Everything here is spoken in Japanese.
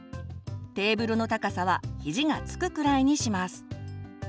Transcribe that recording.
テーブルの高さは肘がつくくらいにします。